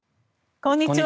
こんにちは。